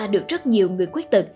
được rất nhiều người quyết tật